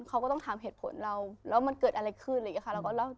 เขาก็ต้องถามเหตุผลเราแล้วมันเกิดอะไรขึ้นอีกค่ะ